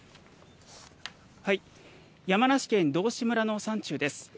山梨県道志村の山中です。